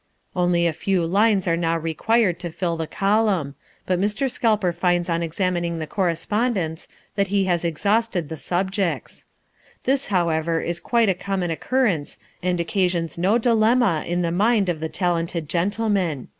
Only a few lines are now required to fill the column, but Mr. Scalper finds on examining the correspondence that he has exhausted the subjects. This, however, is quite a common occurrence and occasions no dilemma in the mind of the talented gentleman.